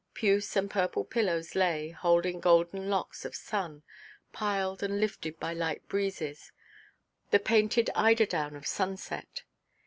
Puce and purple pillows lay, holding golden locks of sun, piled and lifted by light breezes, the painted eider–down of sunset.